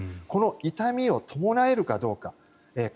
この痛みを伴えるかどうか。